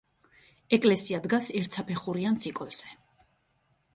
ეკლესია დგას ერთსაფეხურიან ცოკოლზე.